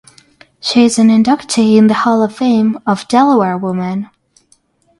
She is an inductee in the Hall of Fame of Delaware Women.